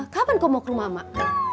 kapan kau mau ke rumah emak